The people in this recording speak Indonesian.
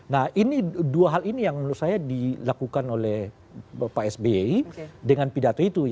nah ini dua hal ini yang menurut saya dilakukan oleh pak sby dengan pidato itu